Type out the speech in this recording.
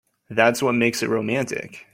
That's what makes it romantic.